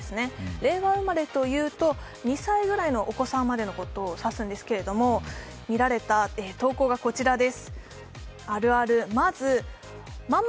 令和生まれというと、２歳ぐらいのお子さんまでのことを指すんですけれども、みられた投稿がこちらです。